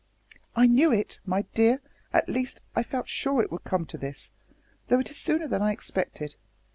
"I knew it, my dear at least I felt sure it would come to this, though it is sooner than I expected.